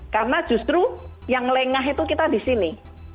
karena justru yang lengah itu kita di sini